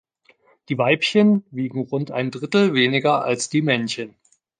Die Weibchen wiegen rund ein Drittel weniger als die Männchen.